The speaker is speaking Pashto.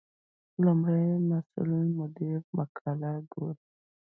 لومړی مسؤل مدیر مقاله ګوري.